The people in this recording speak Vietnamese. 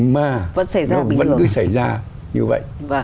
mà vẫn cứ xảy ra như vậy